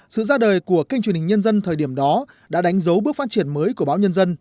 sự ra đời của kênh truyền hình nhân dân thời điểm đó đã đánh dấu bước phát triển mới của báo nhân dân